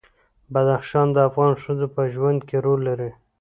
بدخشان د افغان ښځو په ژوند کې رول لري.